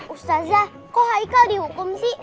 ustazah kok haikal dihukum sih